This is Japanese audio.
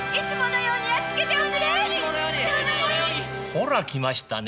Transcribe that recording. ほら来ましたね。